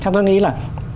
chắc tôi nghĩ là